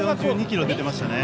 １４２キロ出てましたね。